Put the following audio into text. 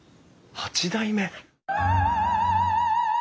八代目！